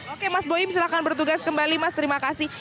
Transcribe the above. oke mas boim silahkan bertugas kembali mas terima kasih